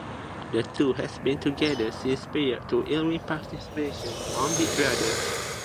The two had been together since prior to Irwin's participation on "Big Brother".